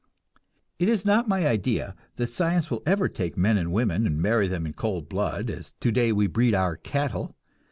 It is not my idea that science will ever take men and women and marry them in cold blood, as today we breed our cattle.